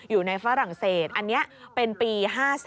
อยู่ในฝรั่งเศสอันนี้เป็นปี๑๙๕๓